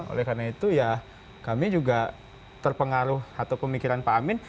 oleh karena itu ya kami juga terpengaruh atau pemikiran pak amin